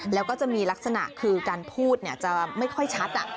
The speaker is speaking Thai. แล้วก็จะมีลักษณะคือการพูดจะไม่ค่อยชัด